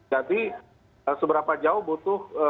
jadi seberapa jauh butuh